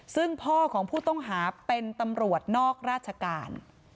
ซึ่งพ่อของผู้ต้องหาเป็นตำรวจนอกราชการ